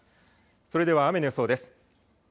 それでは雨の予想です。